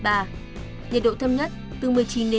nhiệt độ thấp nhất từ một mươi chín đến hai mươi hai độ